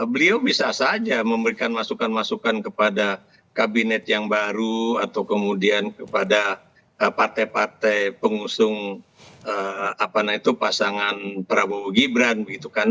beliau bisa saja memberikan masukan masukan kepada kabinet yang baru atau kemudian kepada partai partai pengusung pasangan prabowo gibran gitu kan